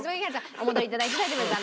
お戻り頂いて大丈夫です。